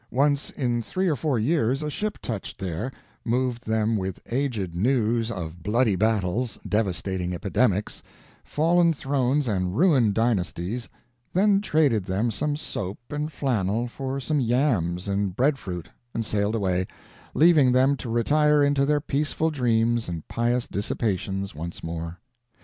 Once in three or four years a ship touched there, moved them with aged news of bloody battles, devastating epidemics, fallen thrones, and ruined dynasties, then traded them some soap and flannel for some yams and breadfruit, and sailed away, leaving them to retire into their peaceful dreams and pious dissipations once more.